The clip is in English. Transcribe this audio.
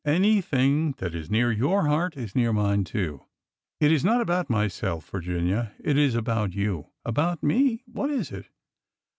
Anything that is near your heart is near mine, too." It is not about myself, Virginia. It is about you." '' About me? What is it?